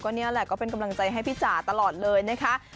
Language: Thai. นี่แหละก็เป็นกำลังใจให้พี่จ๋าตลอดเลยนะคะ